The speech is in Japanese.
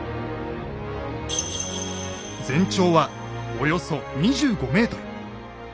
全長はおよそ２５ｍ。